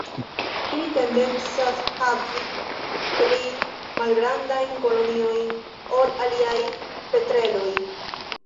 Ili tendencas havi pli malgrandajn koloniojn ol aliaj petreloj.